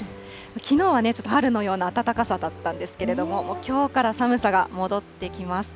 きのうはね、春のような暖かさだったんですが、もうきょうから寒さが戻ってきます。